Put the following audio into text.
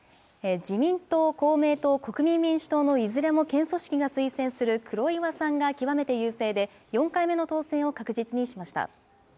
自民党、公明党、国民民主党のいずれも県組織が推薦する黒岩さんが極めて優勢で、４回目の当選を確実にしました。